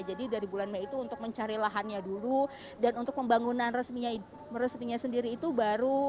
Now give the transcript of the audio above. jadi dari bulan mei itu untuk mencari lahannya dulu dan untuk pembangunan resminya sendiri itu baru